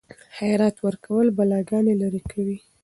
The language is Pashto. خیرات ورکول بلاګانې لیرې کوي.